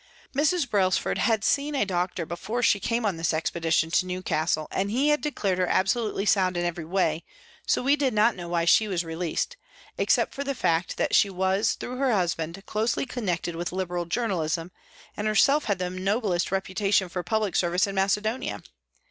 Mrs. Brailsford had seen a doctor before she came on this expedition to Newcastle, and he had declared her absolutely sound in every way, so we did not know why she was released, except for the fact that she was, through her husband, closely connected with Liberal journalism and herself had the noblest reputation for public service in Macedonia.